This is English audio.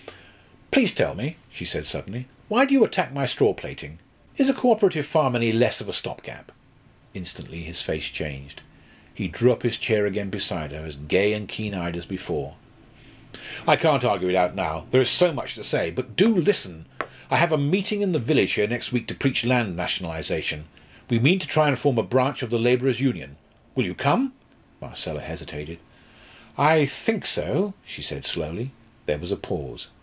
"Please tell me," she said suddenly, "why do you attack my straw plaiting? Is a co operative farm any less of a stopgap?" Instantly his face changed. He drew up his chair again beside her, as gay and keen eyed as before. "I can't argue it out now. There is so much to say. But do listen! I have a meeting in the village here next week to preach land nationalisation. We mean to try and form a branch of the Labourers' Union. Will you come?" Marcella hesitated. "I think so," she said slowly. There was a pause.